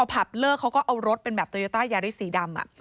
ผับเลิกเขาก็เอารถเป็นแบบโตโยต้ายาริสสีดำ